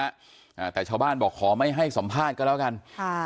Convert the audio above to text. อ่าแต่ชาวบ้านบอกขอไม่ให้สัมภาษณ์ก็แล้วกันค่ะ